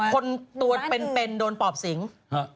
คนตัวเป็นโดนปอบสิง